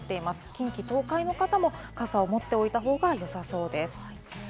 近畿、東海の方も傘を持っておいたほうがよさそうです。